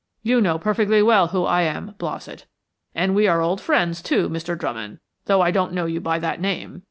You know perfectly well who I am, Blossett; and we are old friends, too, Mr. Drummond, though I don't know you by that name.